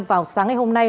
vào sáng ngày hôm nay